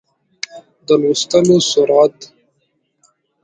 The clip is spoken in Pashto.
د لوستلو سرعت